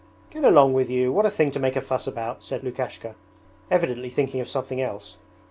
'Get along with you! What a thing to make a fuss about!' said Lukashka, evidently thinking of something else.